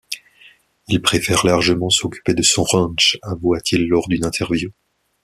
Il préfère largement s’occuper de son ranch, avoua-t-il lors d’une interview.